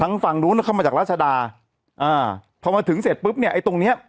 ฝั่งนู้นเข้ามาจากราชดาอ่าพอมาถึงเสร็จปุ๊บเนี่ยไอ้ตรงเนี้ย